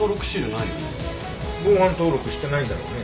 防犯登録してないんだろうね。